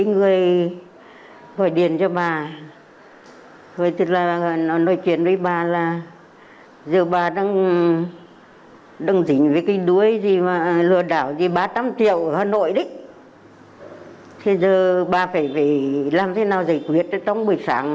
người phụ nữ trên đã đến ngân hàng và chuyển gần một trăm sáu mươi triệu sang một tài khoản ngân hàng khác như yêu cầu bà phối hợp với cơ quan công an